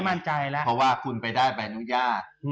เพราะว่าคุณไปได้แบนุญาต